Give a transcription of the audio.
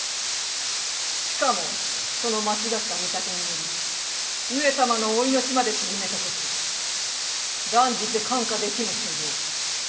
しかもその間違った見立てにより上様のお命まで縮めたこと断じて看過できぬ所業。